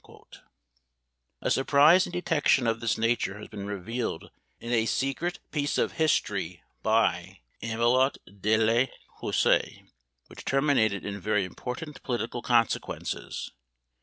A surprise and detection of this nature has been revealed in a piece of secret history by Amelot de la Houssaie, which terminated in very important political consequences.